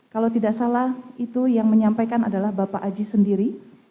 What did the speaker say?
kalau tidak salah itu yang menyampaikan adalah bapak aji sendiri